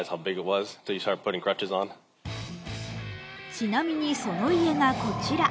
ちなみに、その家がこちら。